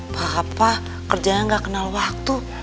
papa kerjanya gak kenal waktu